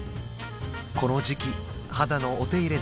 この時期肌のお手入れ